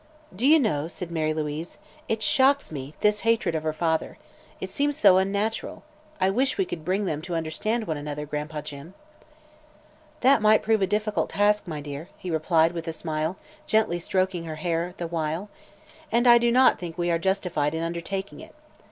"Do you know," said Mary Louise, "it shocks me, this hatred of her father. It seems so unnatural. I wish we could bring them to understand one another better, Gran'pa Jim." "That might prove a difficult task, my dear," he replied with a smile, gently stroking her hair the while, "and I do not think we are justified in undertaking it.